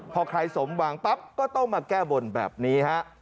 พอใครสมหวังปั๊บก็ต้องมาแก้บนแบบนี้ฮะ